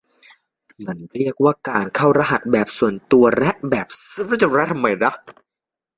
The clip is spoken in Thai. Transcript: มันเรียกว่าการเข้ารหัสแบบส่วนตัวและแบบสาธารณะ